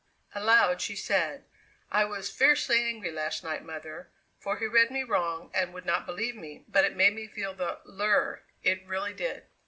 Aloud she said: "I was fiercely angry last night, mother, for he read me wrong and would not believe me, but it made me feel the lure; it really did."